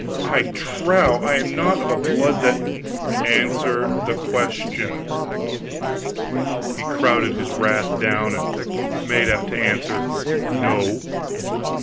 I trow I am not of a blood that " "Answer the question!" He crowded his wrath down and made out to answer "No."